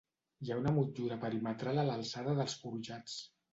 Hi ha una motllura perimetral a l'alçada dels forjats.